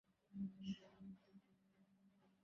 আমরা তোমাদের মিস করেছি।